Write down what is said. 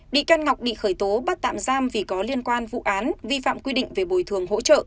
bị can ngọc bị khởi tố bắt tạm giam vì có liên quan vụ án vi phạm quy định về bồi thường hỗ trợ